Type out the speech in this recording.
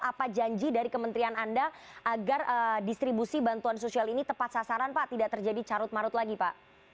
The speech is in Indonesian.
apa janji dari kementerian anda agar distribusi bantuan sosial ini tepat sasaran pak tidak terjadi carut marut lagi pak